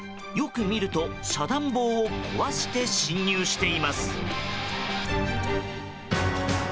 よく見ると遮断棒を壊して侵入しています。